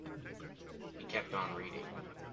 He kept on reading.